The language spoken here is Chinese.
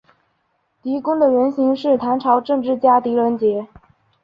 狄公的原型是唐朝政治家狄仁杰。